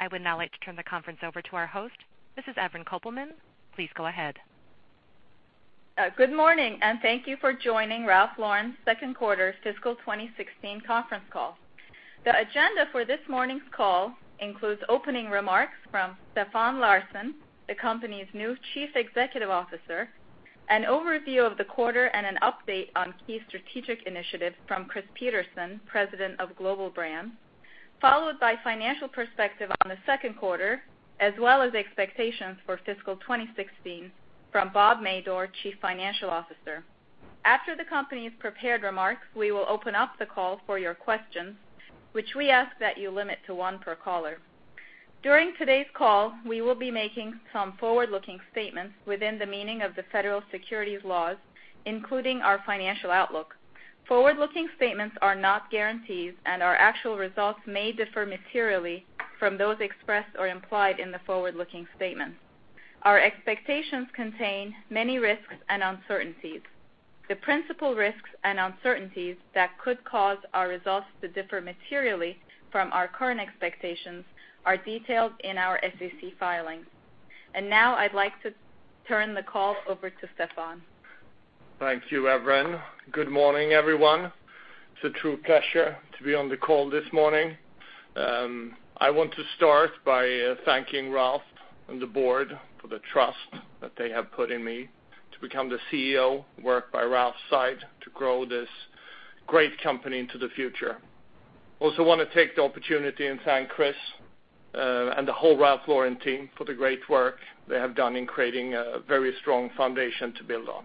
I would now like to turn the conference over to our host. This is Evren Kopelman. Please go ahead. Good morning. Thank you for joining Ralph Lauren's second quarter fiscal 2016 conference call. The agenda for this morning's call includes opening remarks from Stefan Larsson, the company's new Chief Executive Officer, an overview of the quarter and an update on key strategic initiatives from Chris Peterson, President of Global Brands, followed by financial perspective on the second quarter, as well as expectations for fiscal 2016 from Bob Madore, Chief Financial Officer. After the company's prepared remarks, we will open up the call for your questions, which we ask that you limit to one per caller. During today's call, we will be making some forward-looking statements within the meaning of the federal securities laws, including our financial outlook. Forward-looking statements are not guarantees. Our actual results may differ materially from those expressed or implied in the forward-looking statement. Our expectations contain many risks and uncertainties. The principal risks and uncertainties that could cause our results to differ materially from our current expectations are detailed in our SEC filings. Now I'd like to turn the call over to Stefan. Thank you, Evren. Good morning, everyone. It's a true pleasure to be on the call this morning. I want to start by thanking Ralph and the board for the trust that they have put in me to become the CEO, work by Ralph's side to grow this great company into the future. Also want to take the opportunity and thank Chris, and the whole Ralph Lauren team for the great work they have done in creating a very strong foundation to build on.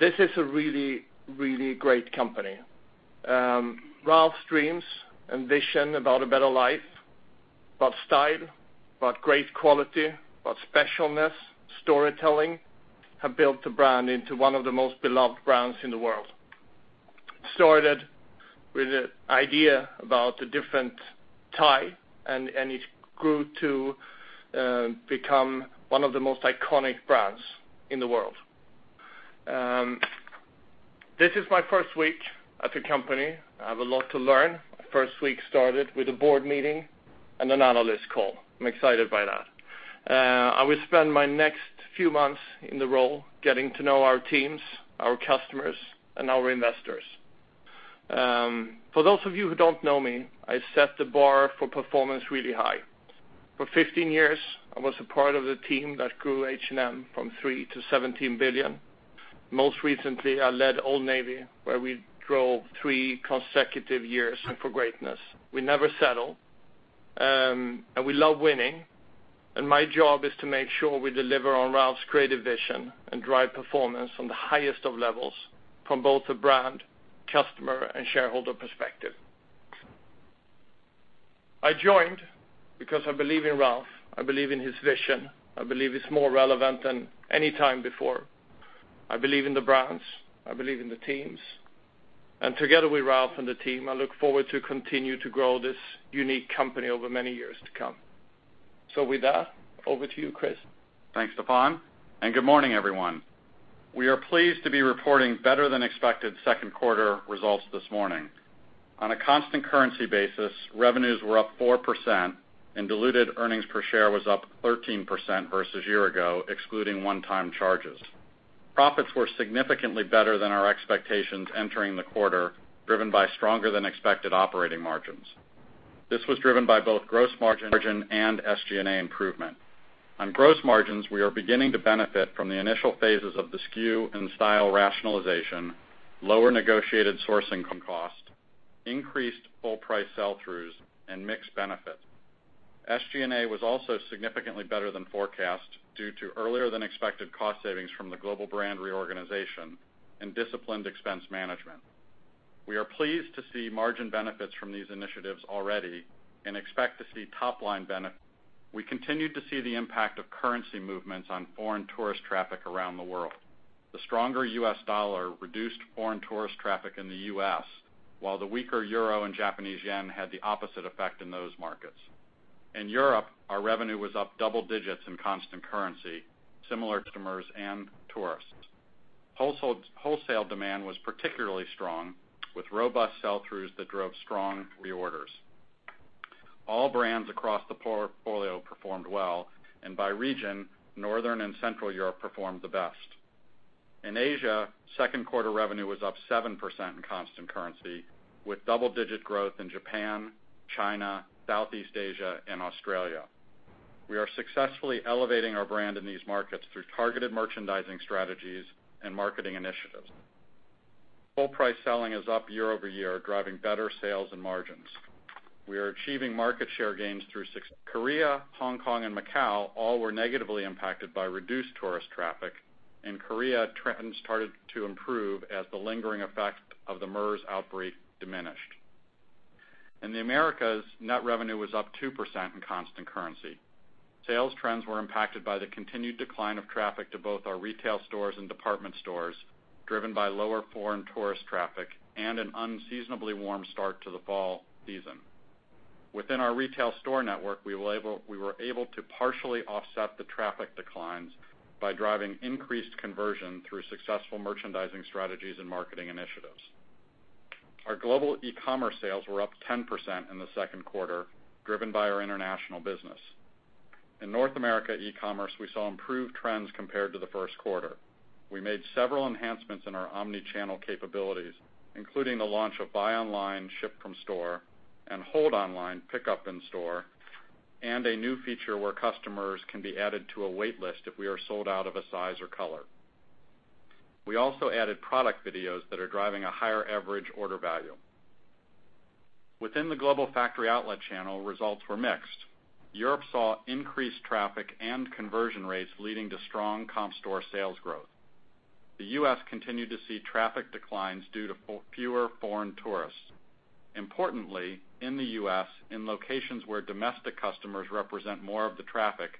This is a really great company. Ralph's dreams and vision about a better life, about style, about great quality, about specialness, storytelling, have built the brand into one of the most beloved brands in the world. It started with an idea about a different tie. It grew to become one of the most iconic brands in the world. This is my first week at the company. I have a lot to learn. The first week started with a board meeting and an analyst call. I'm excited by that. I will spend my next few months in the role getting to know our teams, our customers, and our investors. For those of you who don't know me, I set the bar for performance really high. For 15 years, I was a part of the team that grew H&M from $3 billion-$17 billion. Most recently, I led Old Navy, where we drove three consecutive years for greatness. We never settle. We love winning, and my job is to make sure we deliver on Ralph's creative vision and drive performance from the highest of levels from both a brand, customer, and shareholder perspective. I joined because I believe in Ralph. I believe in his vision. I believe it's more relevant than any time before. I believe in the brands. I believe in the teams. Together with Ralph and the team, I look forward to continue to grow this unique company over many years to come. With that, over to you, Chris. Thanks, Stefan. Good morning, everyone. We are pleased to be reporting better-than-expected second quarter results this morning. On a constant currency basis, revenues were up 4% and diluted earnings per share was up 13% versus year-ago, excluding one-time charges. Profits were significantly better than our expectations entering the quarter, driven by stronger than expected operating margins. This was driven by both gross margin and SG&A improvement. On gross margins, we are beginning to benefit from the initial phases of the SKU and style rationalization, lower negotiated sourcing costs, increased full price sell-throughs, and mix benefit. SG&A was also significantly better than forecast due to earlier than expected cost savings from the global brand reorganization and disciplined expense management. We are pleased to see margin benefits from these initiatives already and expect to see top-line benefit. We continued to see the impact of currency movements on foreign tourist traffic around the world. The stronger U.S. dollar reduced foreign tourist traffic in the U.S., while the weaker euro and Japanese yen had the opposite effect in those markets. In Europe, our revenue was up double digits in constant currency, similar to customers and tourists. Wholesale demand was particularly strong, with robust sell-throughs that drove strong reorders. All brands across the portfolio performed well. By region, Northern and Central Europe performed the best. In Asia, second quarter revenue was up 7% in constant currency, with double-digit growth in Japan, China, Southeast Asia, and Australia. We are successfully elevating our brand in these markets through targeted merchandising strategies and marketing initiatives. Full price selling is up year-over-year, driving better sales and margins. We are achieving market share gains through Korea, Hong Kong, and Macau all were negatively impacted by reduced tourist traffic. In Korea, trends started to improve as the lingering effect of the MERS outbreak diminished. In the Americas, net revenue was up 2% in constant currency. Sales trends were impacted by the continued decline of traffic to both our retail stores and department stores, driven by lower foreign tourist traffic and an unseasonably warm start to the fall season. Within our retail store network, we were able to partially offset the traffic declines by driving increased conversion through successful merchandising strategies and marketing initiatives. Our global e-commerce sales were up 10% in the second quarter, driven by our international business. In North America e-commerce, we saw improved trends compared to the first quarter. We made several enhancements in our omni-channel capabilities, including the launch of buy online, ship from store, and hold online, pickup in store, and a new feature where customers can be added to a wait list if we are sold out of a size or color. We also added product videos that are driving a higher average order value. Within the global factory outlet channel, results were mixed. Europe saw increased traffic and conversion rates leading to strong comp store sales growth. The U.S. continued to see traffic declines due to fewer foreign tourists. Importantly, in the U.S., in locations where domestic customers represent more of the traffic,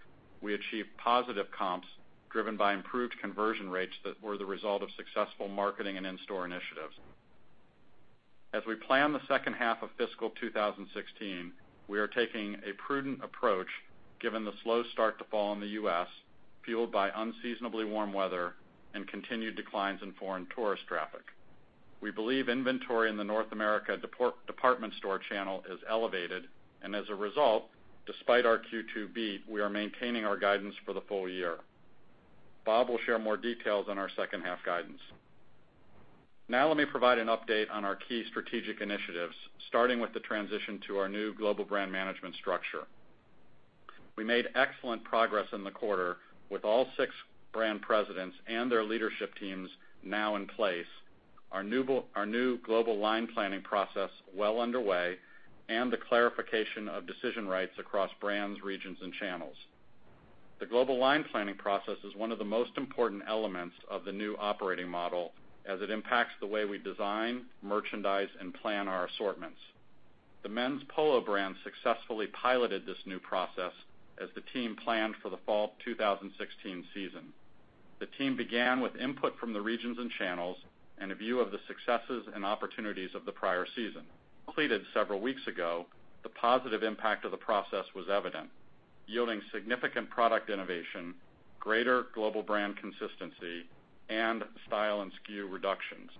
we achieved positive comps driven by improved conversion rates that were the result of successful marketing and in-store initiatives. As we plan the second half of fiscal 2016, we are taking a prudent approach given the slow start to fall in the U.S., fueled by unseasonably warm weather and continued declines in foreign tourist traffic. We believe inventory in the North America department store channel is elevated, and as a result, despite our Q2 beat, we are maintaining our guidance for the full year. Bob will share more details on our second half guidance. Now let me provide an update on our key strategic initiatives, starting with the transition to our new global brand management structure. We made excellent progress in the quarter with all six brand presidents and their leadership teams now in place. Our new global line planning process well underway, and the clarification of decision rights across brands, regions, and channels. The global line planning process is one of the most important elements of the new operating model as it impacts the way we design, merchandise, and plan our assortments. The men's Polo brand successfully piloted this new process as the team planned for the fall 2016 season. The team began with input from the regions and channels and a view of the successes and opportunities of the prior season. Completed several weeks ago, the positive impact of the process was evident, yielding significant product innovation, greater global brand consistency, and style and SKU reductions.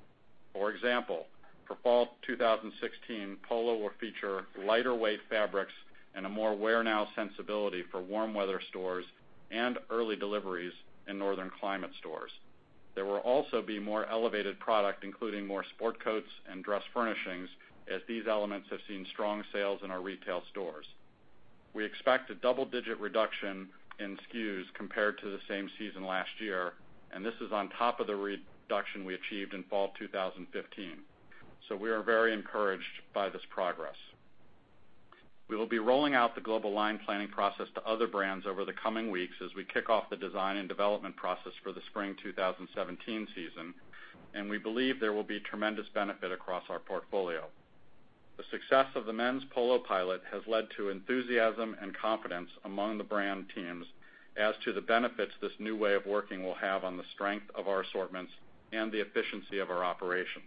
For example, for fall 2016, Polo will feature lighter weight fabrics and a more wear-now sensibility for warm weather stores and early deliveries in northern climate stores. There will also be more elevated product, including more sport coats and dress furnishings, as these elements have seen strong sales in our retail stores. We expect a double-digit reduction in SKUs compared to the same season last year. This is on top of the reduction we achieved in fall 2015. We are very encouraged by this progress. We will be rolling out the global line planning process to other brands over the coming weeks as we kick off the design and development process for the spring 2017 season. We believe there will be tremendous benefit across our portfolio. The success of the men's Polo pilot has led to enthusiasm and confidence among the brand teams as to the benefits this new way of working will have on the strength of our assortments and the efficiency of our operation.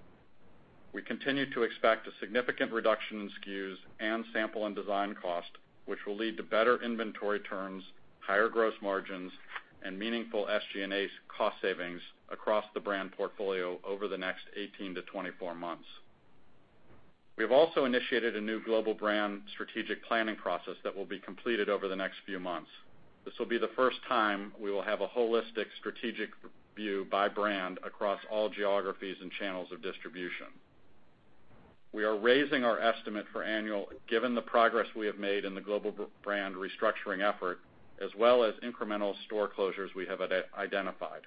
We continue to expect a significant reduction in SKUs and sample and design cost, which will lead to better inventory turns, higher gross margins, and meaningful SG&A cost savings across the brand portfolio over the next 18-24 months. We have also initiated a new global brand strategic planning process that will be completed over the next few months. This will be the first time we will have a holistic strategic view by brand across all geographies and channels of distribution. We are raising our estimate for annual, given the progress we have made in the global brand restructuring effort, as well as incremental store closures we have identified.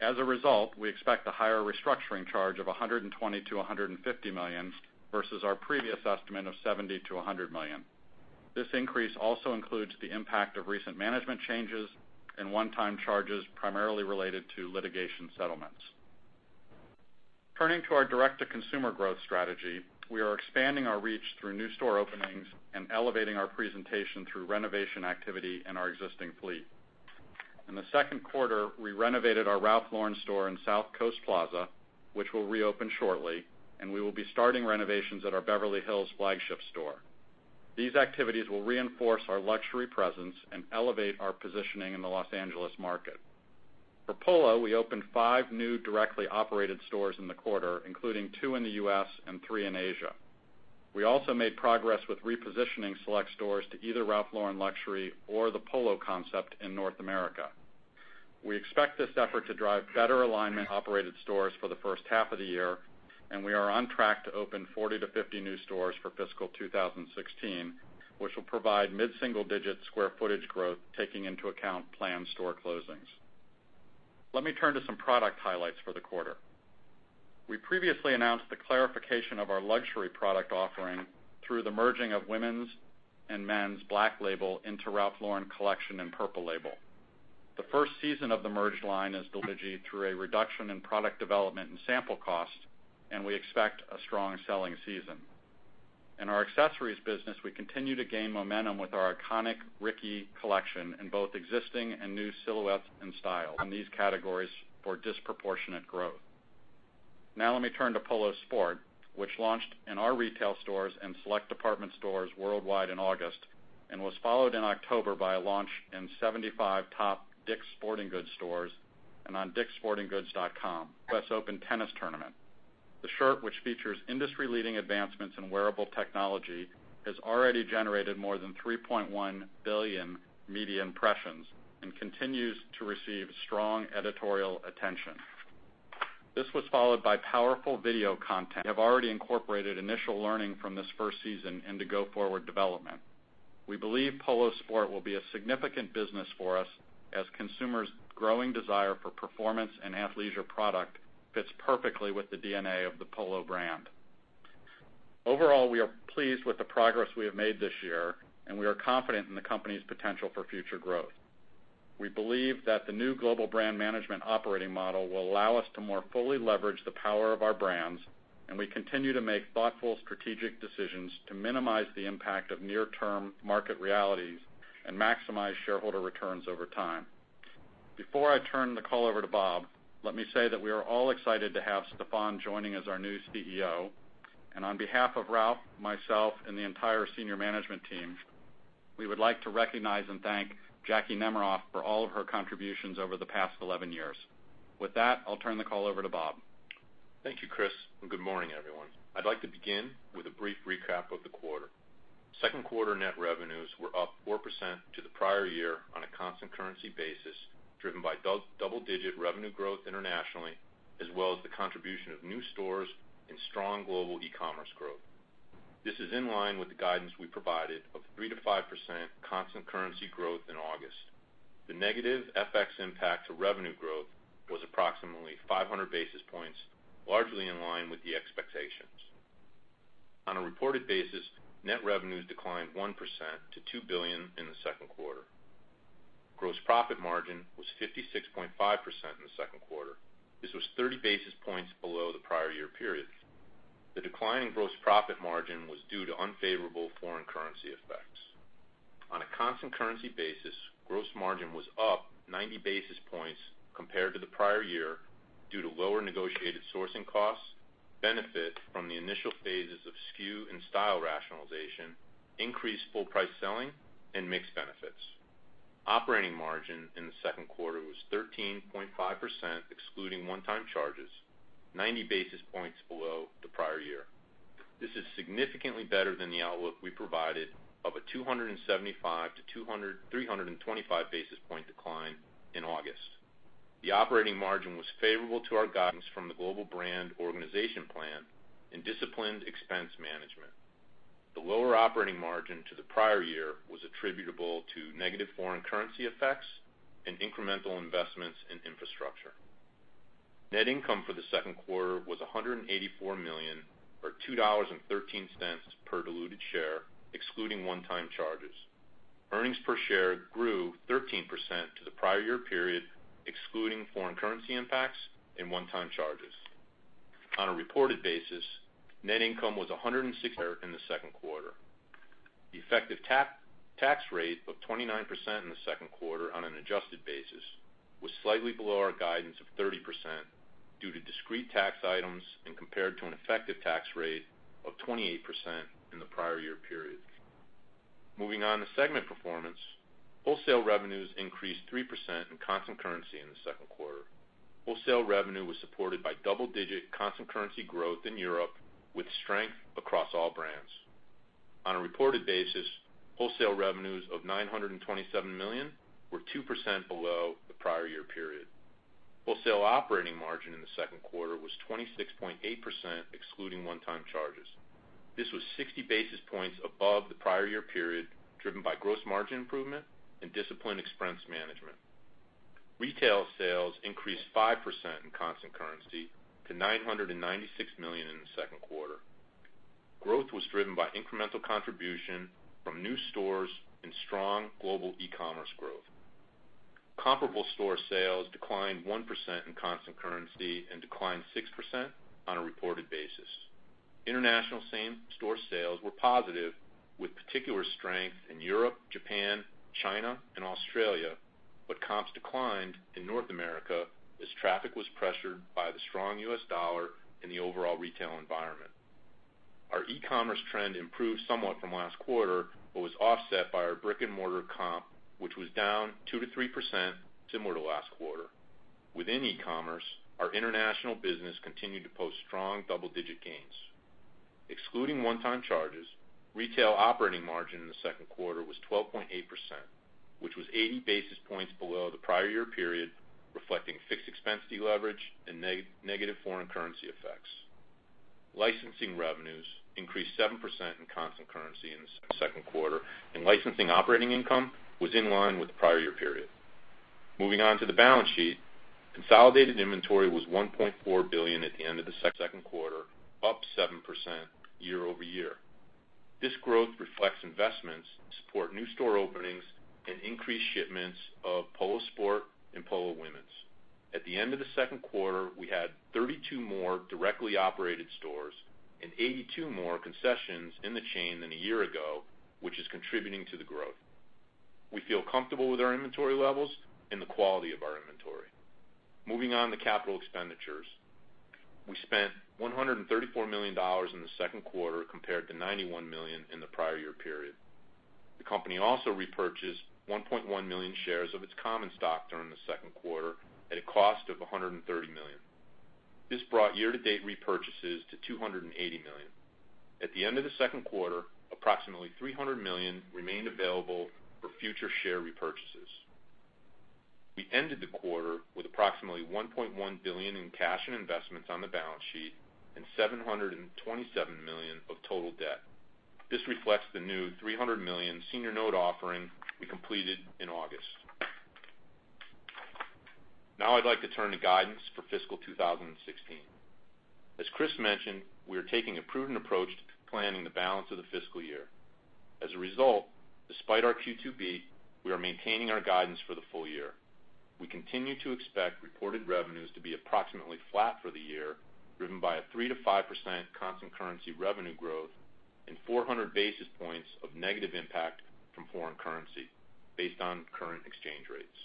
As a result, we expect a higher restructuring charge of $120 million-$150 million versus our previous estimate of $70 million-$100 million. This increase also includes the impact of recent management changes and one-time charges primarily related to litigation settlements. Turning to our direct-to-consumer growth strategy, we are expanding our reach through new store openings and elevating our presentation through renovation activity in our existing fleet. In the second quarter, we renovated our Ralph Lauren store in South Coast Plaza, which will reopen shortly. We will be starting renovations at our Beverly Hills flagship store. These activities will reinforce our luxury presence and elevate our positioning in the Los Angeles market. For Polo, we opened five new directly operated stores in the quarter, including two in the U.S. and three in Asia. We also made progress with repositioning select stores to either Ralph Lauren Luxury or the Polo concept in North America. We expect this effort to drive better alignment operated stores for the first half of the year. We are on track to open 40-50 new stores for fiscal 2016, which will provide mid-single-digit square footage growth, taking into account planned store closings. Let me turn to some product highlights for the quarter. We previously announced the clarification of our luxury product offering through the merging of women's and men's Black Label into Ralph Lauren Collection and Purple Label. The first season of the merged line is delivered through a reduction in product development and sample cost. We expect a strong selling season. In our accessories business, we continue to gain momentum with our iconic Ricky collection in both existing and new silhouettes and styles in these categories for disproportionate growth. Now let me turn to Polo Sport, which launched in our retail stores and select department stores worldwide in August and was followed in October by a launch in 75 top Dick's Sporting Goods stores on dickssportinggoods.com. U.S. Open Tennis Championships. The shirt, which features industry-leading advancements in wearable technology, has already generated more than 3.1 billion media impressions and continues to receive strong editorial attention. This was followed by powerful video content. We have already incorporated initial learning from this first season into go-forward development. We believe Polo Sport will be a significant business for us as consumers' growing desire for performance and athleisure product fits perfectly with the DNA of the Polo brand. Overall, we are pleased with the progress we have made this year, and we are confident in the company's potential for future growth. We believe that the new global brand management operating model will allow us to more fully leverage the power of our brands. We continue to make thoughtful strategic decisions to minimize the impact of near-term market realities and maximize shareholder returns over time. Before I turn the call over to Bob, let me say that we are all excited to have Stefan joining as our new CEO. On behalf of Ralph, myself, and the entire senior management team, we would like to recognize and thank Jackwyn Nemerov for all of her contributions over the past 11 years. With that, I'll turn the call over to Bob. Thank you, Chris, and good morning, everyone. I'd like to begin with a brief recap of the quarter. Second quarter net revenues were up 4% to the prior year on a constant currency basis, driven by double-digit revenue growth internationally, as well as the contribution of new stores and strong global e-commerce growth. This is in line with the guidance we provided of 3%-5% constant currency growth in August. The negative FX impact to revenue growth was approximately 500 basis points, largely in line with the expectations. On a reported basis, net revenues declined 1% to $2 billion in the second quarter. Gross profit margin was 56.5% in the second quarter. This was 30 basis points below the prior year period. The decline in gross profit margin was due to unfavorable foreign currency effects. On a constant currency basis, gross margin was up 90 basis points compared to the prior year due to lower negotiated sourcing costs, benefit from the initial phases of SKU and style rationalization, increased full price selling, and mix benefits. Operating margin in the second quarter was 13.5%, excluding one-time charges, 90 basis points below the prior year. This is significantly better than the outlook we provided of a 275-325 basis point decline in August. The operating margin was favorable to our guidance from the global brand organization plan and disciplined expense management. The lower operating margin to the prior year was attributable to negative foreign currency effects and incremental investments in infrastructure. Net income for the second quarter was $184 million, or $2.13 per diluted share, excluding one-time charges. Earnings per share grew 13% to the prior year period, excluding foreign currency impacts and one-time charges. On a reported basis, net income was $160 million in the second quarter. The effective tax rate of 29% in the second quarter on an adjusted basis was slightly below our guidance of 30% due to discrete tax items and compared to an effective tax rate of 28% in the prior year period. Moving on to segment performance. Wholesale revenues increased 3% in constant currency in the second quarter. Wholesale revenue was supported by double-digit constant currency growth in Europe with strength across all brands. On a reported basis, wholesale revenues of $927 million were 2% below the prior year period. Wholesale operating margin in the second quarter was 26.8%, excluding one-time charges. This was 60 basis points above the prior year period, driven by gross margin improvement and disciplined expense management. Retail sales increased 5% in constant currency to $996 million in the second quarter. Growth was driven by incremental contribution from new stores and strong global e-commerce growth. Comparable store sales declined 1% in constant currency and declined 6% on a reported basis. International same-store sales were positive with particular strength in Europe, Japan, China, and Australia. Comps declined in North America as traffic was pressured by the strong U.S. dollar and the overall retail environment. Our e-commerce trend improved somewhat from last quarter, but was offset by our brick-and-mortar comp, which was down 2%-3%, similar to last quarter. Within e-commerce, our international business continued to post strong double-digit gains. Excluding one-time charges, retail operating margin in the second quarter was 12.8%, which was 80 basis points below the prior year period, reflecting fixed expense deleverage and negative foreign currency effects. Licensing revenues increased 7% in constant currency in the second quarter, and licensing operating income was in line with the prior year period. Moving on to the balance sheet. Consolidated inventory was $1.4 billion at the end of the second quarter, up 7% year-over-year. This growth reflects investments to support new store openings and increased shipments of Polo Sport and Polo Women's. At the end of the second quarter, we had 32 more directly operated stores and 82 more concessions in the chain than a year ago, which is contributing to the growth. We feel comfortable with our inventory levels and the quality of our inventory. Moving on to capital expenditures. We spent $134 million in the second quarter compared to $91 million in the prior year period. The company also repurchased 1.1 million shares of its common stock during the second quarter at a cost of $130 million. This brought year-to-date repurchases to $280 million. At the end of the second quarter, approximately $300 million remained available for future share repurchases. We ended the quarter with approximately $1.1 billion in cash and investments on the balance sheet and $727 million of total debt. This reflects the new $300 million senior note offering we completed in August. I'd like to turn to guidance for fiscal 2016. As Chris mentioned, we are taking a prudent approach to planning the balance of the fiscal year. As a result, despite our Q2 beat, we are maintaining our guidance for the full year. We continue to expect reported revenues to be approximately flat for the year, driven by a 3%-5% constant currency revenue growth and 400 basis points of negative impact from foreign currency based on current exchange rates.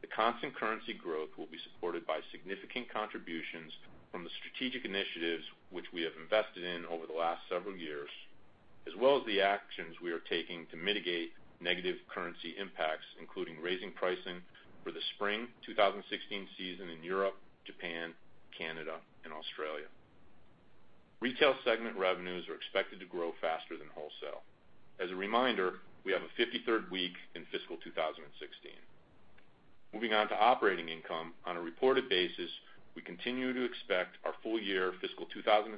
The constant currency growth will be supported by significant contributions from the strategic initiatives which we have invested in over the last several years, as well as the actions we are taking to mitigate negative currency impacts, including raising pricing for the Spring 2016 season in Europe, Japan, Canada, and Australia. Retail segment revenues are expected to grow faster than wholesale. As a reminder, we have a 53rd week in fiscal 2016. Moving on to operating income. On a reported basis, we continue to expect our full year fiscal 2016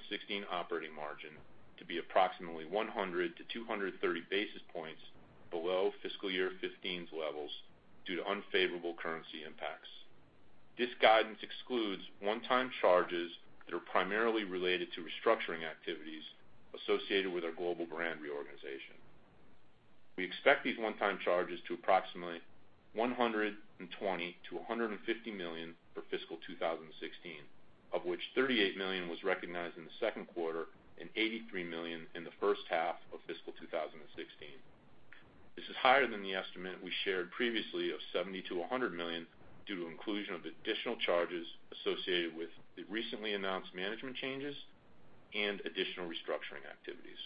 operating margin to be approximately 100-230 basis points below fiscal year 2015's levels due to unfavorable currency impacts. This guidance excludes one-time charges that are primarily related to restructuring activities associated with our global brand reorganization. We expect these one-time charges to approximately $120 million-$150 million for fiscal 2016, of which $38 million was recognized in the second quarter and $83 million in the first half of fiscal 2016. This is higher than the estimate we shared previously of $70 million-$100 million due to inclusion of additional charges associated with the recently announced management changes and additional restructuring activities.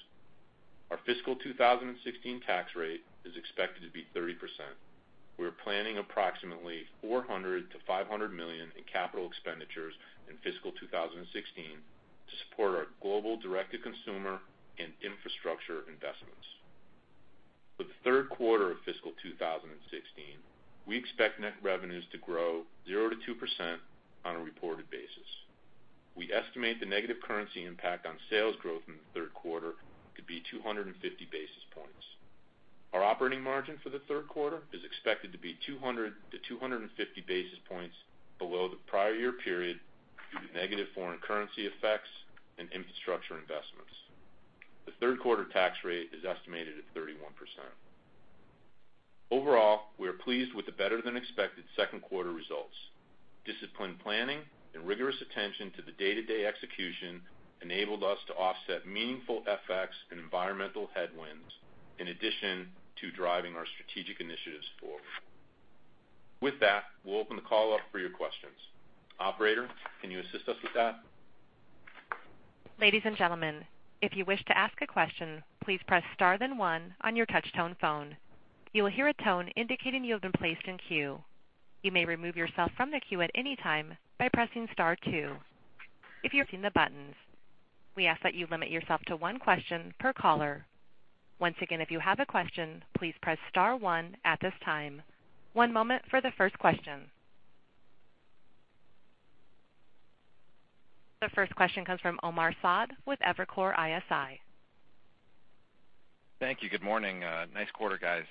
Our fiscal 2016 tax rate is expected to be 30%. We are planning approximately $400 million-$500 million in capital expenditures in fiscal 2016 to support our global direct-to-consumer and infrastructure investments. For the third quarter of fiscal 2016, we expect net revenues to grow 0%-2% on a reported basis. We estimate the negative currency impact on sales growth in the third quarter to be 250 basis points. Our operating margin for the third quarter is expected to be 200-250 basis points below the prior year period due to negative foreign currency effects and infrastructure investments. The third quarter tax rate is estimated at 31%. Overall, we are pleased with the better-than-expected second quarter results. Disciplined planning and rigorous attention to the day-to-day execution enabled us to offset meaningful FX and environmental headwinds in addition to driving our strategic initiatives forward. With that, we'll open the call up for your questions. Operator, can you assist us with that? Ladies and gentlemen, if you wish to ask a question, please press star then one on your touch tone phone. You will hear a tone indicating you have been placed in queue. You may remove yourself from the queue at any time by pressing star two if you're using the buttons. We ask that you limit yourself to one question per caller. Once again, if you have a question, please press star one at this time. One moment for the first question. The first question comes from Omar Saad with Evercore ISI. Thank you. Good morning. Nice quarter, guys.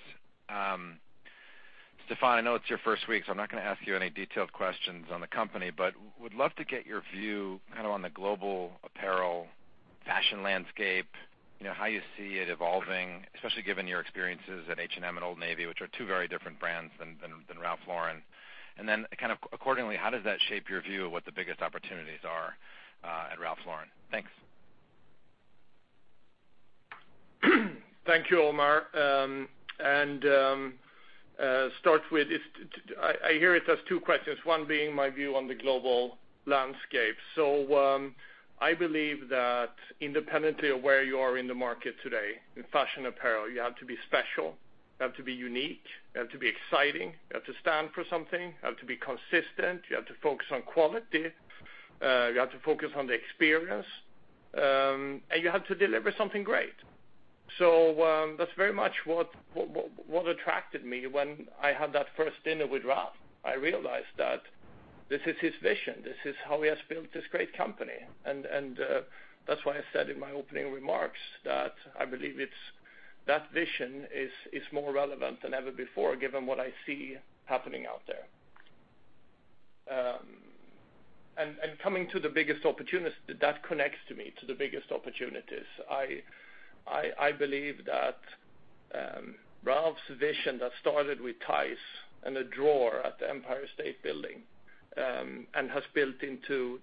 Stefan, I know it's your first week, so I am not going to ask you any detailed questions on the company, but would love to get your view on the global apparel fashion landscape, how you see it evolving, especially given your experiences at H&M and Old Navy, which are two very different brands than Ralph Lauren. Accordingly, how does that shape your view of what the biggest opportunities are at Ralph Lauren? Thanks. Thank you, Omar. Start with, I hear it as two questions, one being my view on the global landscape. I believe that independently of where you are in the market today, in fashion apparel, you have to be special, you have to be unique, you have to be exciting, you have to stand for something, you have to be consistent, you have to focus on quality, you have to focus on the experience, and you have to deliver something great. That is very much what attracted me when I had that first dinner with Ralph. I realized that this is his vision. This is how he has built this great company. That is why I said in my opening remarks that I believe that vision is more relevant than ever before, given what I see happening out there. Coming to the biggest opportunities, that connects to me to the biggest opportunities. I believe that Ralph's vision that started with ties and a drawer at the Empire State Building, and has built into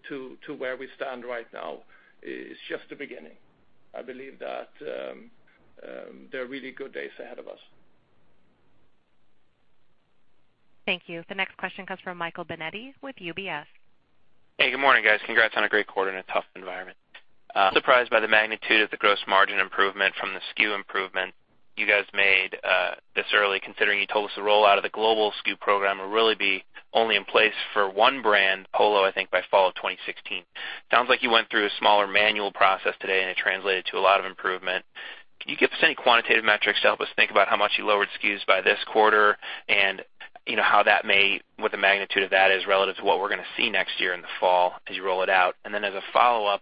where we stand right now, is just the beginning. I believe that there are really good days ahead of us. Thank you. The next question comes from Michael Binetti with UBS. Good morning, guys. Congrats on a great quarter in a tough environment. Surprised by the magnitude of the gross margin improvement from the SKU improvement you guys made this early, considering you told us the rollout of the global SKU program will really be only in place for one brand, Polo, I think by fall of 2016. Sounds like you went through a smaller manual process today, and it translated to a lot of improvement. Can you give us any quantitative metrics to help us think about how much you lowered SKUs by this quarter, and what the magnitude of that is relative to what we're going to see next year in the fall as you roll it out? As a follow-up,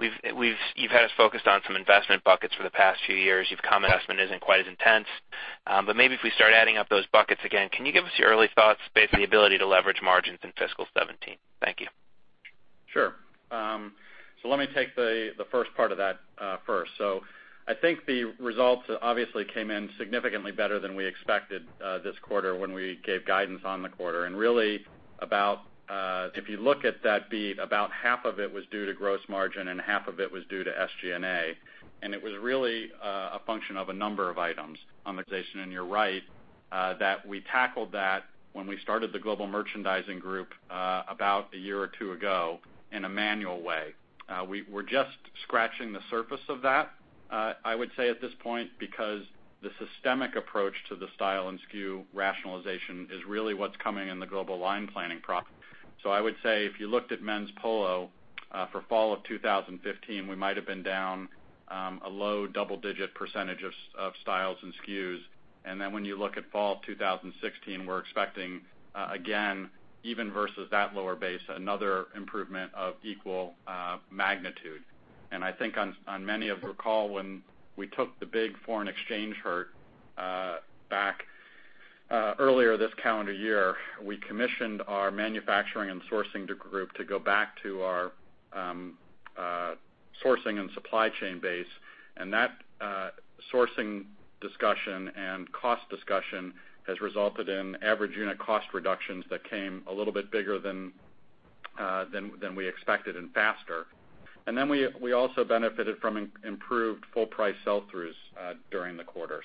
you've had us focused on some investment buckets for the past few years. You've commented investment isn't quite as intense. Maybe if we start adding up those buckets again, can you give us your early thoughts based on the ability to leverage margins in fiscal 2017? Thank you. Sure. Let me take the first part of that first. I think the results obviously came in significantly better than we expected this quarter when we gave guidance on the quarter. If you look at that beat, about half of it was due to gross margin, and half of it was due to SG&A. It was really a function of a number of items. You're right, that we tackled that when we started the global merchandising group about a year or two ago in a manual way. We're just scratching the surface of that, I would say at this point, because the systemic approach to the style and SKU rationalization is really what's coming in the global line planning process. I would say if you looked at men's Polo for fall of 2015, we might've been down a low double-digit percentage of styles and SKUs. When you look at fall 2016, we're expecting, again, even versus that lower base, another improvement of equal magnitude. Recall when we took the big foreign exchange hurt back earlier this calendar year, we commissioned our manufacturing and sourcing group to go back to our sourcing and supply chain base. That sourcing discussion and cost discussion has resulted in average unit cost reductions that came a little bit bigger than we expected, and faster. We also benefited from improved full price sell-throughs during the quarter.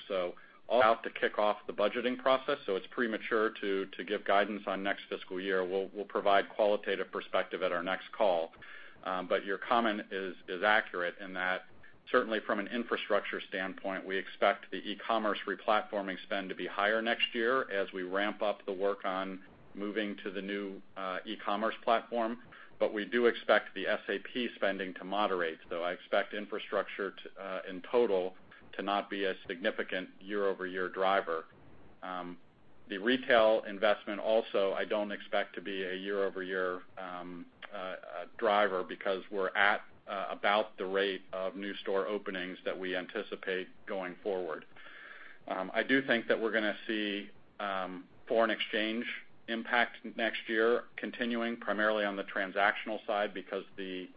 All out to kick off the budgeting process. It's premature to give guidance on next fiscal year. We'll provide qualitative perspective at our next call. Your comment is accurate in that certainly from an infrastructure standpoint, we expect the e-commerce re-platforming spend to be higher next year as we ramp up the work on moving to the new e-commerce platform. We do expect the SAP spending to moderate. I expect infrastructure in total to not be a significant year-over-year driver. The retail investment also I don't expect to be a year-over-year driver because we're at about the rate of new store openings that we anticipate going forward. I do think that we're going to see foreign exchange impact next year continuing primarily on the transactional side because the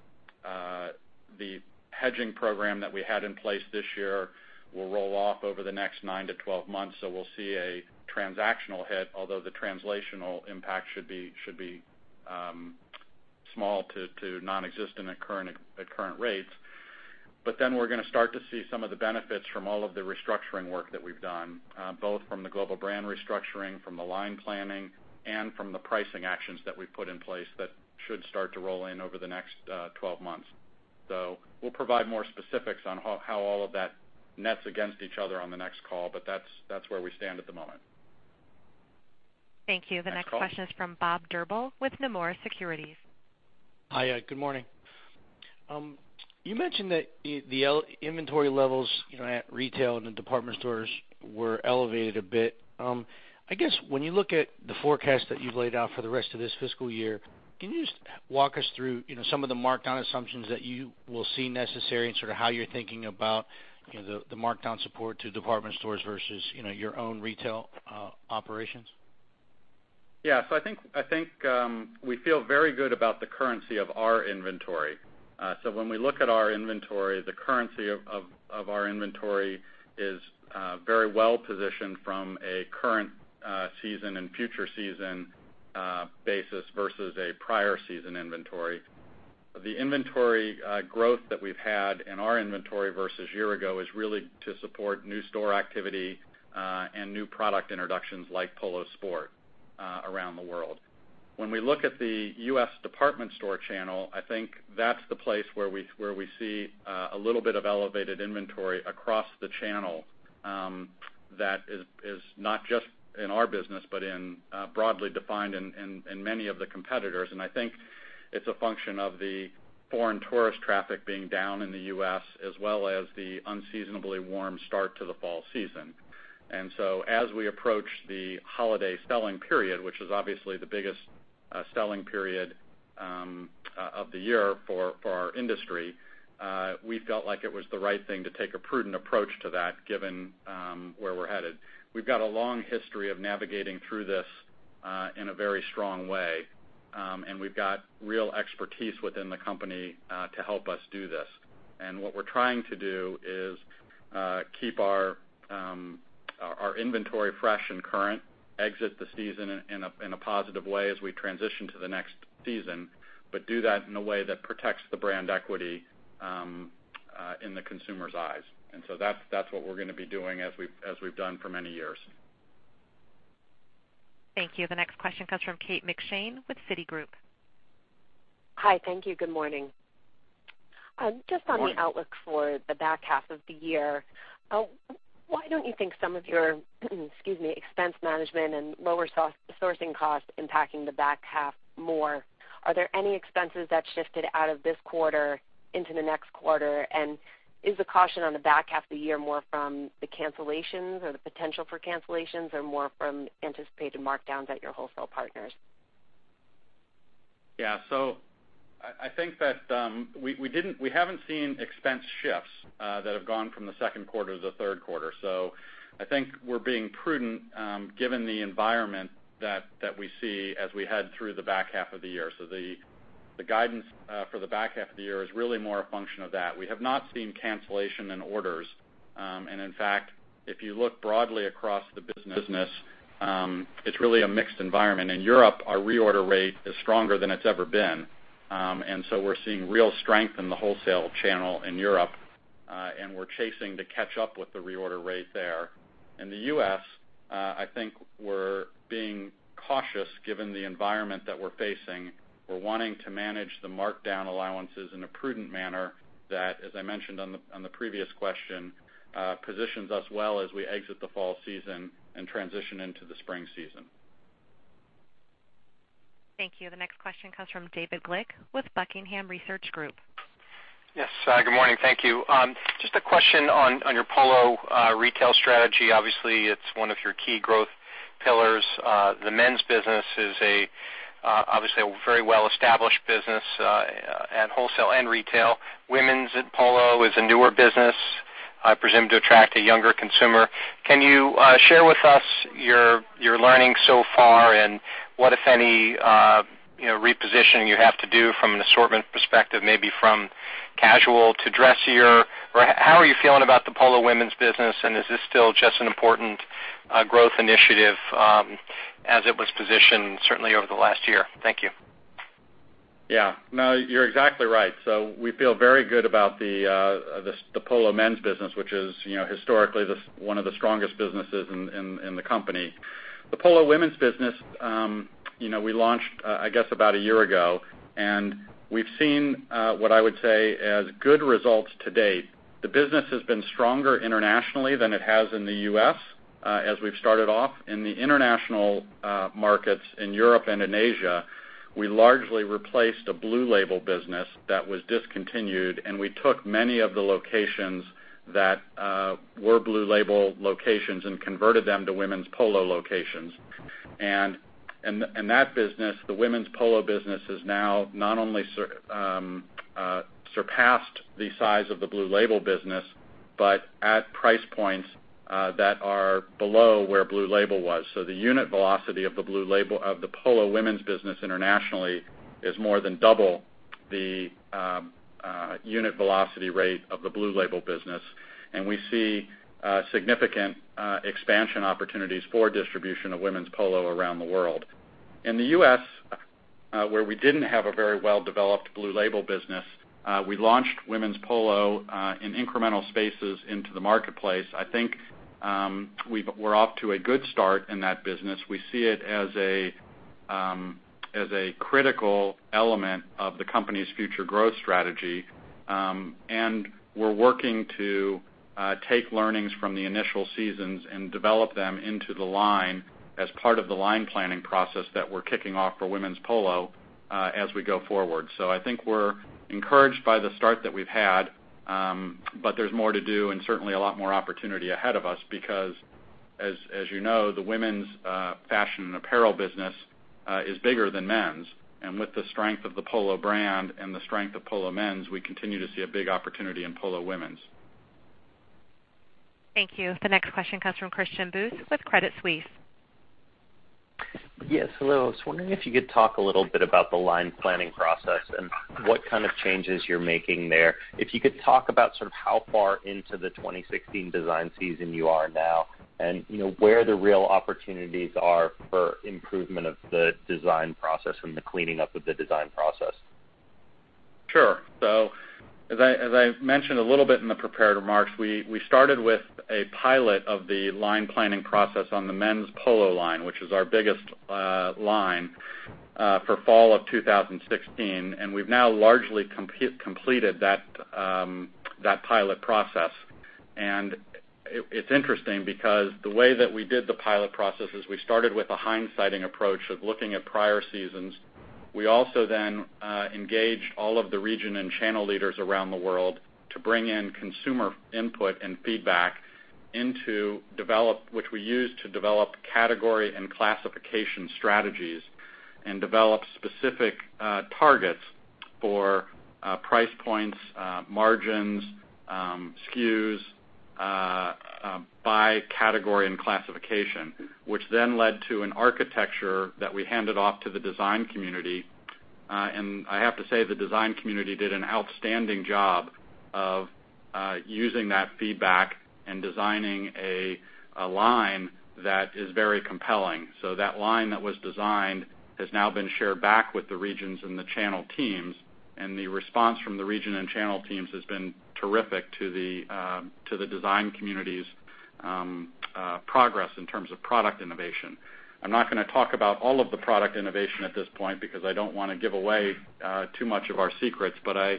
hedging program that we had in place this year will roll off over the next nine to 12 months. We'll see a transactional hit, although the translational impact should be small to nonexistent at current rates. We're going to start to see some of the benefits from all of the restructuring work that we've done, both from the global brand restructuring, from the line planning, and from the pricing actions that we've put in place that should start to roll in over the next 12 months. We'll provide more specifics on how all of that nets against each other on the next call, but that's where we stand at the moment. Thank you. Next call. The next question is from Robert Drbul with Nomura Securities. Hi, good morning. You mentioned that the inventory levels at retail and the department stores were elevated a bit. I guess when you look at the forecast that you've laid out for the rest of this fiscal year, can you just walk us through some of the markdown assumptions that you will see necessary and sort of how you're thinking about the markdown support to department stores versus your own retail operations? Yeah. I think we feel very good about the currency of our inventory. When we look at our inventory, the currency of our inventory is very well positioned from a current season and future season basis versus a prior season inventory. The inventory growth that we've had in our inventory versus year ago is really to support new store activity and new product introductions like Polo Sport around the world. When we look at the U.S. department store channel, I think that's the place where we see a little bit of elevated inventory across the channel that is not just in our business, but in broadly defined in many of the competitors. I think it's a function of the foreign tourist traffic being down in the U.S. as well as the unseasonably warm start to the fall season. As we approach the holiday selling period, which is obviously the biggest selling period of the year for our industry, we felt like it was the right thing to take a prudent approach to that given where we're headed. We've got a long history of navigating through this in a very strong way. We've got real expertise within the company to help us do this. What we're trying to do is keep our inventory fresh and current, exit the season in a positive way as we transition to the next season, but do that in a way that protects the brand equity in the consumer's eyes. That's what we're going to be doing as we've done for many years. Thank you. The next question comes from Kate McShane with Citigroup. Hi. Thank you. Good morning. Morning. Just on the outlook for the back half of the year, why don't you think some of your excuse me, expense management and lower sourcing costs impacting the back half more? Are there any expenses that shifted out of this quarter into the next quarter? Is the caution on the back half of the year more from the cancellations or the potential for cancellations, or more from anticipated markdowns at your wholesale partners? Yeah. I think that we haven't seen expense shifts that have gone from the second quarter to the third quarter. I think we're being prudent, given the environment that we see as we head through the back half of the year. The guidance for the back half of the year is really more a function of that. We have not seen cancellation in orders. In fact, if you look broadly across the business, it's really a mixed environment. In Europe, our reorder rate is stronger than it's ever been. We're seeing real strength in the wholesale channel in Europe, and we're chasing to catch up with the reorder rate there. In the U.S., I think we're being cautious given the environment that we're facing. We're wanting to manage the markdown allowances in a prudent manner that, as I mentioned on the previous question, positions us well as we exit the fall season and transition into the spring season. Thank you. The next question comes from David Glick with Buckingham Research Group. Yes. Good morning. Thank you. Just a question on your Polo retail strategy. Obviously, it's one of your key growth pillars. The men's business is obviously a very well-established business at wholesale and retail. Women's at Polo is a newer business, I presume, to attract a younger consumer. Can you share with us your learning so far, and what, if any repositioning you have to do from an assortment perspective, maybe from casual to dressier? How are you feeling about the Polo Women's business, and is this still just an important growth initiative as it was positioned, certainly over the last year? Thank you. Yeah. No, you're exactly right. We feel very good about the Polo men's business, which is historically, one of the strongest businesses in the company. The Polo Women's business we launched, I guess, about a year ago, and we've seen what I would say as good results to date. The business has been stronger internationally than it has in the U.S. as we've started off. In the international markets, in Europe and in Asia, we largely replaced a Blue Label business that was discontinued, and we took many of the locations that were Blue Label locations and converted them to Polo Women's locations. That business, the Polo Women's business, has now not only surpassed the size of the Blue Label business, but at price points that are below where Blue Label was. The unit velocity of the Polo Women's business internationally is more than double the unit velocity rate of the Blue Label business, and we see significant expansion opportunities for distribution of Polo Women's around the world. In the U.S., where we didn't have a very well-developed Blue Label business, we launched Polo Women's in incremental spaces into the marketplace. I think we're off to a good start in that business. We see it as a critical element of the company's future growth strategy. We're working to take learnings from the initial seasons and develop them into the line as part of the line planning process that we're kicking off for Polo Women's as we go forward. I think we're encouraged by the start that we've had, but there's more to do and certainly a lot more opportunity ahead of us, because, as you know, the women's fashion and apparel business is bigger than men's. With the strength of the Polo brand and the strength of Polo men's, we continue to see a big opportunity in Polo Women's. Thank you. The next question comes from Christian Buss with Credit Suisse. Yes. Hello. I was wondering if you could talk a little bit about the line planning process and what kind of changes you're making there. If you could talk about how far into the 2016 design season you are now, and where the real opportunities are for improvement of the design process and the cleaning up of the design process. Sure. As I mentioned a little bit in the prepared remarks, we started with a pilot of the line planning process on the men's Polo line, which is our biggest line, for fall of 2016. We've now largely completed that pilot process. It's interesting because the way that we did the pilot process is we started with a hindsighting approach of looking at prior seasons. We also then engaged all of the region and channel leaders around the world to bring in consumer input and feedback, which we used to develop category and classification strategies and develop specific targets for price points, margins, SKUs, by category and classification. Which then led to an architecture that we handed off to the design community. I have to say, the design community did an outstanding job of using that feedback and designing a line that is very compelling. That line that was designed has now been shared back with the regions and the channel teams, the response from the region and channel teams has been terrific to the design community's progress in terms of product innovation. I'm not going to talk about all of the product innovation at this point because I don't want to give away too much of our secrets, but I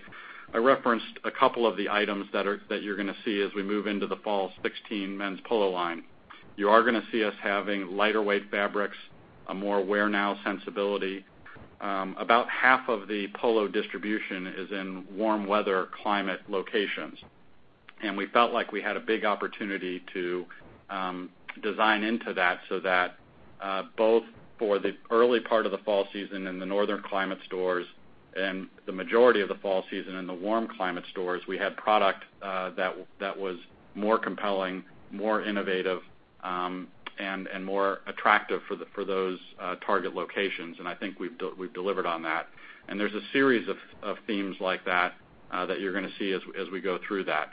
referenced a couple of the items that you're going to see as we move into the fall 2016 men's Polo line. You are going to see us having lighter weight fabrics, a more wear-now sensibility. About half of the Polo distribution is in warm weather climate locations, we felt like we had a big opportunity to design into that, so that both for the early part of the fall season in the northern climate stores and the majority of the fall season in the warm climate stores, we had product that was more compelling, more innovative, and more attractive for those target locations. I think we've delivered on that. There's a series of themes like that you're going to see as we go through that.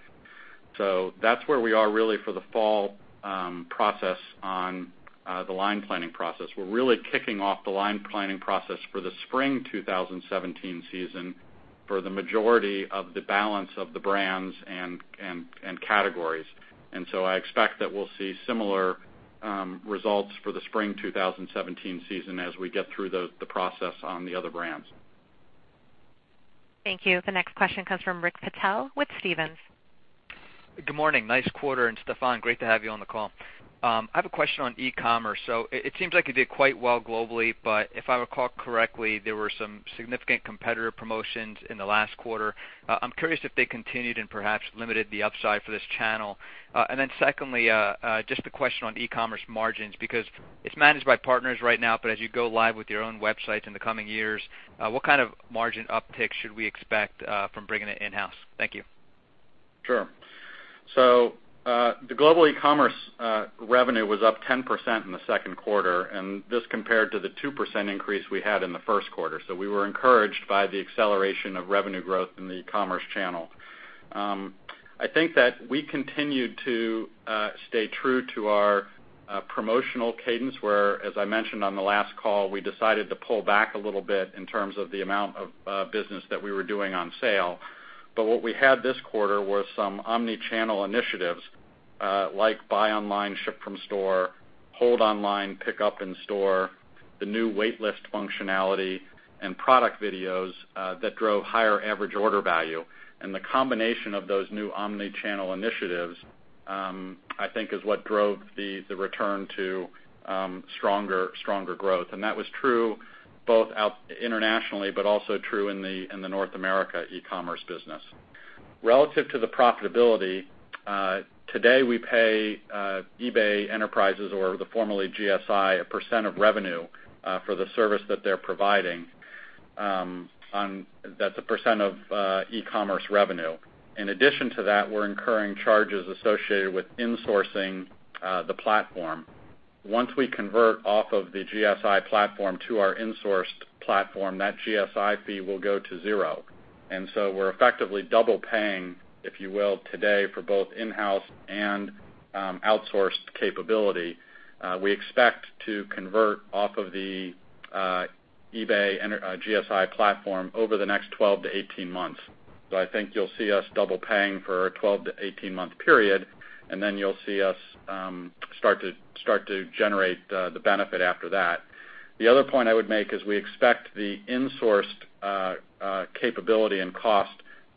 That's where we are really for the fall process on the line planning process. We're really kicking off the line planning process for the spring 2017 season for the majority of the balance of the brands and categories. I expect that we'll see similar results for the spring 2017 season as we get through the process on the other brands. Thank you. The next question comes from Rakesh Patel with Stephens. Good morning. Nice quarter, Stefan, great to have you on the call. I have a question on e-commerce. It seems like you did quite well globally, if I recall correctly, there were some significant competitor promotions in the last quarter. I'm curious if they continued and perhaps limited the upside for this channel. Secondly, just a question on e-commerce margins, because it's managed by partners right now, but as you go live with your own websites in the coming years, what kind of margin uptick should we expect from bringing it in-house? Thank you. Sure. The global e-commerce revenue was up 10% in the second quarter, this compared to the 2% increase we had in the first quarter. We were encouraged by the acceleration of revenue growth in the e-commerce channel. I think that we continued to stay true to our promotional cadence, where, as I mentioned on the last call, we decided to pull back a little bit in terms of the amount of business that we were doing on sale. What we had this quarter was some omni-channel initiatives, like buy online, ship from store, hold online, pick up in store, the new wait list functionality, and product videos that drove higher average order value. The combination of those new omni-channel initiatives, I think is what drove the return to stronger growth. That was true both internationally, but also true in the North America e-commerce business. Relative to the profitability, today we pay eBay Enterprise or the formerly GSI, a % of revenue for the service that they're providing. That's a % of e-commerce revenue. In addition to that, we're incurring charges associated with insourcing the platform. Once we convert off of the GSI platform to our insourced platform, that GSI fee will go to zero, we're effectively double paying, if you will, today for both in-house and outsourced capability. We expect to convert off of the eBay GSI platform over the next 12 to 18 months. I think you'll see us double paying for a 12 to 18-month period, then you'll see us start to generate the benefit after that. The other point I would make is we expect the insourced capability and cost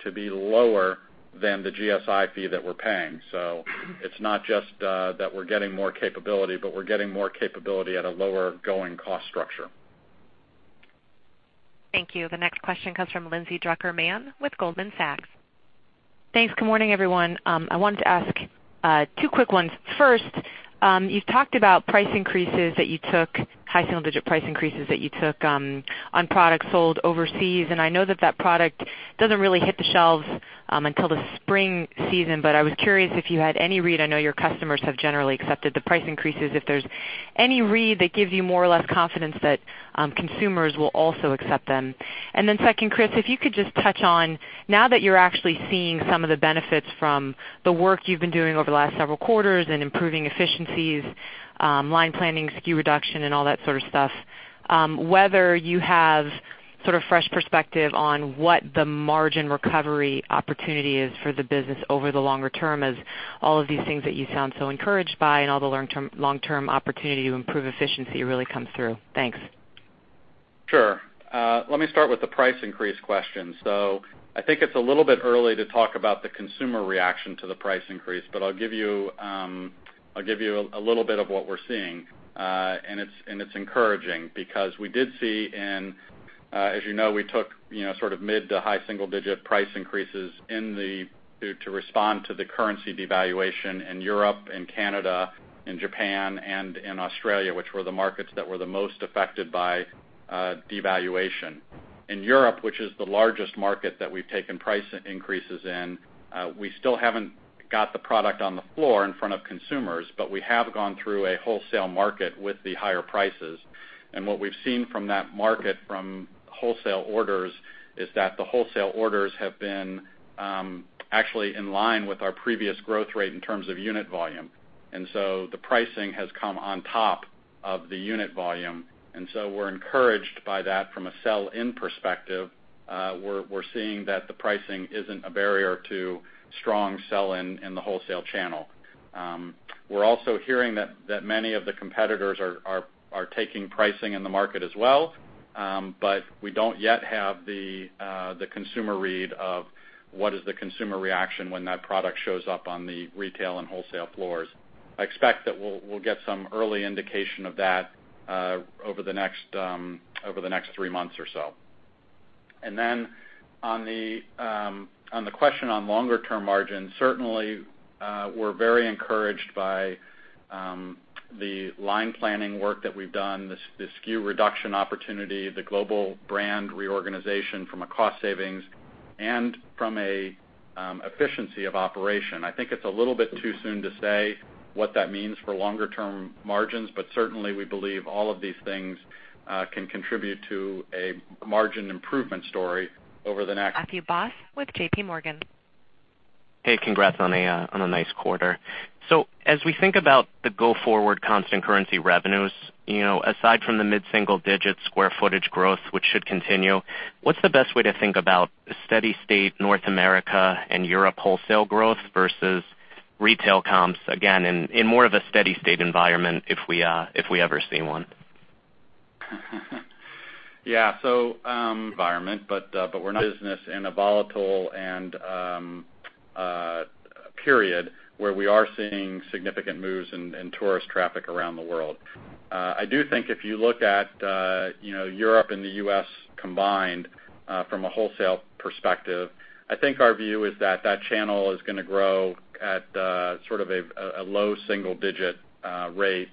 to be lower than the GSI fee that we're paying. It's not just that we're getting more capability, but we're getting more capability at a lower going cost structure. Thank you. The next question comes from Lindsay Drucker Mann with Goldman Sachs. Thanks. Good morning, everyone. I wanted to ask two quick ones. You've talked about price increases that you took, high single-digit price increases that you took on products sold overseas. I know that that product doesn't really hit the shelves until the spring season, I was curious if you had any read. I know your customers have generally accepted the price increases. If there's any read that gives you more or less confidence that consumers will also accept them. Second, Chris, if you could just touch on, now that you're actually seeing some of the benefits from the work you've been doing over the last several quarters and improving efficiencies, line planning, SKU reduction and all that sort of stuff, whether you have sort of fresh perspective on what the margin recovery opportunity is for the business over the longer term, as all of these things that you sound so encouraged by and all the long-term opportunity to improve efficiency really comes through. Thanks. Sure. Let me start with the price increase question. I think it's a little bit early to talk about the consumer reaction to the price increase, but I'll give you a little bit of what we're seeing. It's encouraging because we did see in-- as you know, we took sort of mid to high single-digit price increases to respond to the currency devaluation in Europe and Canada, in Japan and in Australia, which were the markets that were the most affected by devaluation. In Europe, which is the largest market that we've taken price increases in, we still haven't got the product on the floor in front of consumers, but we have gone through a wholesale market with the higher prices. What we've seen from that market from wholesale orders is that the wholesale orders have been actually in line with our previous growth rate in terms of unit volume. The pricing has come on top of the unit volume. We're encouraged by that from a sell-in perspective. We're seeing that the pricing isn't a barrier to strong sell-in in the wholesale channel. We're also hearing that many of the competitors are taking pricing in the market as well. We don't yet have the consumer read of what is the consumer reaction when that product shows up on the retail and wholesale floors. I expect that we'll get some early indication of that over the next three months or so. On the question on longer-term margins, certainly, we're very encouraged by the line planning work that we've done, the SKU reduction opportunity, the global brand reorganization from a cost savings and from a efficiency of operation. I think it's a little bit too soon to say what that means for longer-term margins, but certainly we believe all of these things can contribute to a margin improvement story. Matthew Boss with JPMorgan. Hey, congrats on a nice quarter. As we think about the go forward constant currency revenues, aside from the mid-single digit square footage growth, which should continue, what's the best way to think about steady state North America and Europe wholesale growth versus retail comps again in more of a steady state environment if we ever see one? Yeah. Environment, but we're not business in a volatile period where we are seeing significant moves in tourist traffic around the world. I do think if you look at Europe and the U.S. combined, from a wholesale perspective, I think our view is that that channel is going to grow at sort of a low single digit rate.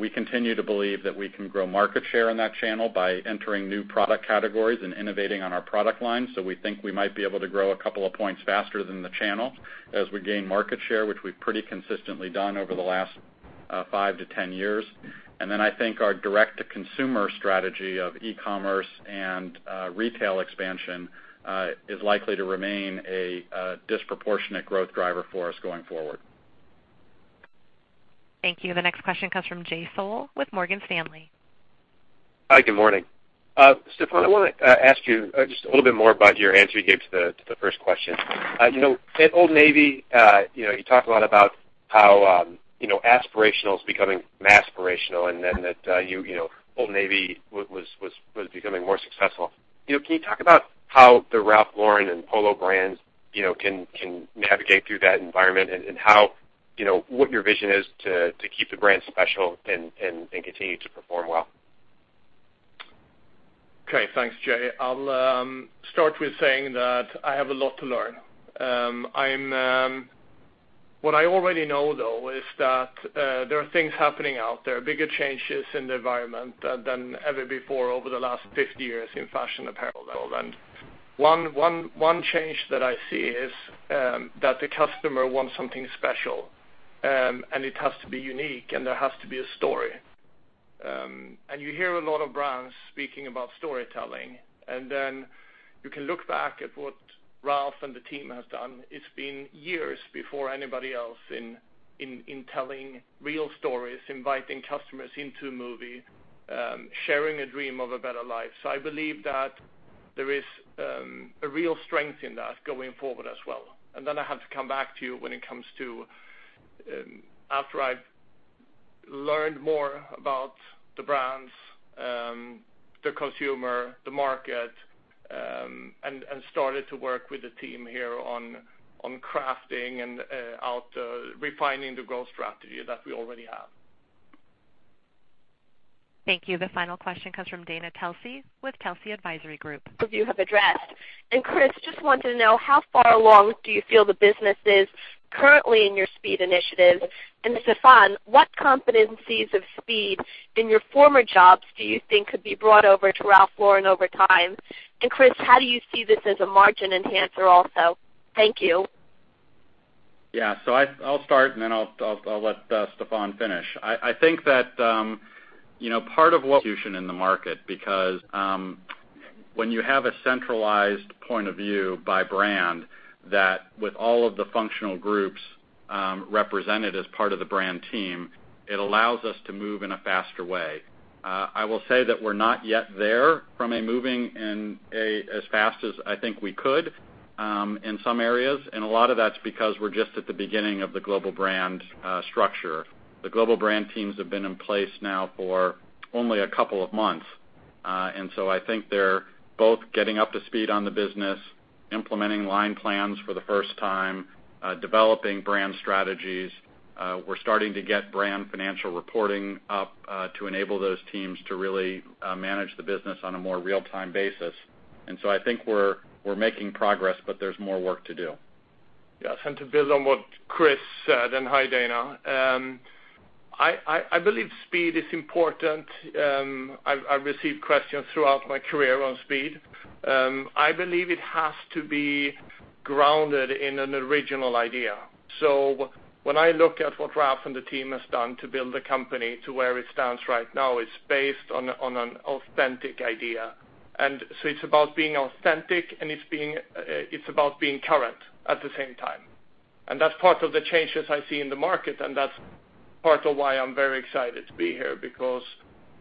We continue to believe that we can grow market share in that channel by entering new product categories and innovating on our product line. We think we might be able to grow a couple of points faster than the channel as we gain market share, which we've pretty consistently done over the last five to 10 years. I think our direct-to-consumer strategy of e-commerce and retail expansion is likely to remain a disproportionate growth driver for us going forward. Thank you. The next question comes from Jay Sole with Morgan Stanley. Hi, good morning. Stefan, I want to ask you just a little bit more about your answer you gave to the first question. At Old Navy, you talk a lot about how aspirational is becoming mass aspirational, that Old Navy was becoming more successful. Can you talk about how the Ralph Lauren and Polo brands can navigate through that environment and what your vision is to keep the brand special and continue to perform well? Okay. Thanks, Jay. I will start with saying that I have a lot to learn. What I already know, though, is that there are things happening out there, bigger changes in the environment than ever before over the last 50 years in fashion apparel. One change that I see is that the customer wants something special, and it has to be unique, and there has to be a story. You hear a lot of brands speaking about storytelling, and then you can look back at what Ralph and the team has done. It has been years before anybody else in telling real stories, inviting customers into a movie, sharing a dream of a better life. I believe that there is a real strength in that going forward as well. Then I have to come back to you when it comes to after I have learned more about the brands, the consumer, the market, and started to work with the team here on crafting and refining the growth strategy that we already have. Thank you. The final question comes from Dana Telsey with Telsey Advisory Group. You have addressed. Chris, just wanted to know how far along do you feel the business is currently in your speed initiative? Stefan, what competencies of speed in your former jobs do you think could be brought over to Ralph Lauren over time? Chris, how do you see this as a margin enhancer also? Thank you. Yeah. I'll start, and then I'll let Stefan Larsson finish. I think that part of what-- solution in the market, because when you have a centralized point of view by brand, that with all of the functional groups represented as part of the brand team, it allows us to move in a faster way. I will say that we're not yet there from a moving in as fast as I think we could in some areas, and a lot of that's because we're just at the beginning of the global brand structure. The global brand teams have been in place now for only a couple of months. I think they're both getting up to speed on the business, implementing line plans for the first time, developing brand strategies. We're starting to get brand financial reporting up to enable those teams to really manage the business on a more real-time basis. I think we're making progress, but there's more work to do. Yes. To build on what Chris said, and hi, Dana. I believe speed is important. I've received questions throughout my career on speed. I believe it has to be grounded in an original idea. When I look at what Ralph and the team has done to build the company to where it stands right now, it's based on an authentic idea. It's about being authentic, and it's about being current at the same time. That's part of the changes I see in the market, and that's part of why I'm very excited to be here, because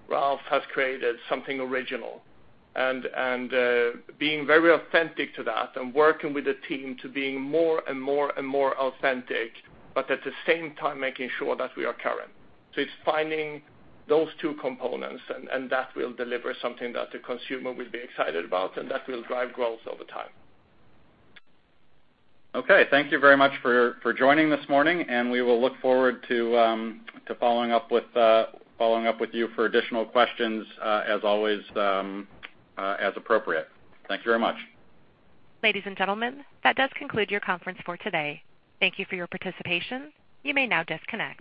Ralph has created something original. Being very authentic to that and working with the team to being more and more authentic, but at the same time making sure that we are current. It's finding those two components, and that will deliver something that the consumer will be excited about, and that will drive growth over time. Okay. Thank you very much for joining this morning. We will look forward to following up with you for additional questions as always, as appropriate. Thank you very much. Ladies and gentlemen, that does conclude your conference for today. Thank you for your participation. You may now disconnect.